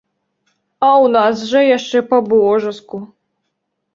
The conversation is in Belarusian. У нас жа яшчэ па-божаску.